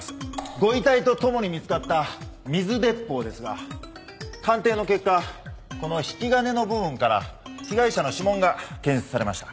ご遺体と共に見つかった水鉄砲ですが鑑定の結果この引き金の部分から被害者の指紋が検出されました。